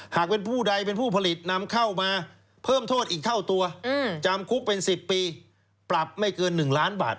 หากเป็นผู้ใดเป็นผู้ผลิตนำเข้ามาเพิ่มโทษอีกเท่าตัวจำคุกเป็น๑๐ปีปรับไม่เกิน๑ล้านบาท